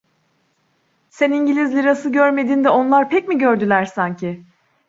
Sen İngiliz lirası görmedin de onlar pek mi gördüler sanki?